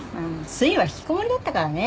すいは引きこもりだったからね